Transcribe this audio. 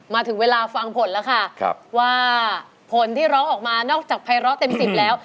มาถึงเวลาฟังผลแล้วค่ะว่าผลที่ร้องออกมานอกจากภัยร้อเต็มสิบแล้ว